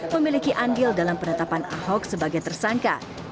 memiliki andil dalam penetapan ahok sebagai tersangka